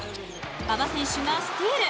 馬場選手がスチール。